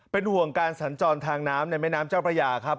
เป็นห่วงการสัญจรทางน้ำในแม่น้ำเจ้าพระยาครับ